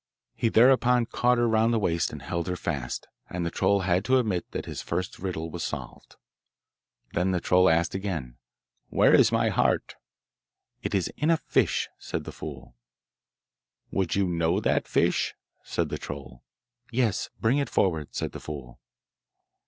He thereupon caught her round the waist and held her fast, and the troll had to admit that his first riddle was solved. Then the troll asked again: 'Where is my heart?' 'It is in a fish,' said the fool. 'Would you know that fish?' said the troll. 'Yes, bring it forward,' said the fool.